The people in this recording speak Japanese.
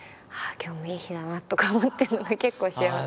今日もいい日だなとか思ってるのが結構幸せ。